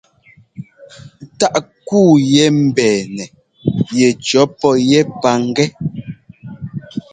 Taʼ kúu yɛ́ mbɛɛnɛ yɛcʉɔ pɔ yɛ́ pangɛ́.